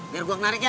biar gua kenarik ya